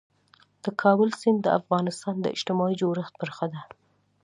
د کابل سیند د افغانستان د اجتماعي جوړښت برخه ده.